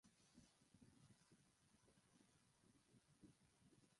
আমার জন্য রান্না কর।